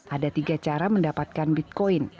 ada tiga cara mendapatkan bitcoin